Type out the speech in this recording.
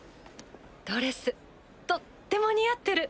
ドレスとっても似合ってる。